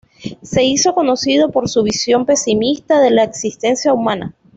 Se hizo conocido por su visión pesimista de la existencia humana.